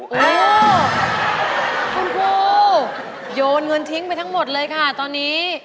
โอ้โหคุณครูโยนเงินทิ้งไปทั้งหมดเลยค่ะตอนนี้